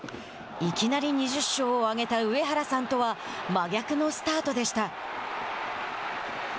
いきなり２０勝を挙げた上原さんとは真逆のスタートでした。